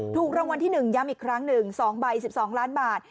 ถูกรางวัลที่๑ย้ำอีกครั้งหนึ่ง๒ใบ๑๒ล้านบาท